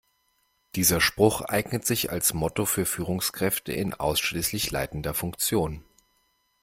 Dieser Spruch eignet sich als Motto für Führungskräfte in ausschließlich leitender Funktion.